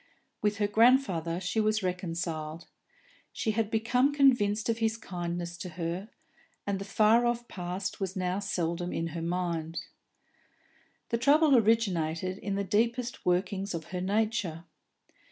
With her grandfather she was reconciled; she had become convinced of his kindness to her, and the far off past was now seldom in her mind. The trouble originated in the deepest workings of her nature.